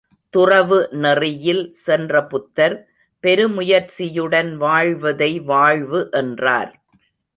துறவு நெறியில் சென்ற புத்தர் பெருமுயற்சியுடன் வாழ்வதை வாழ்வு என்றார்.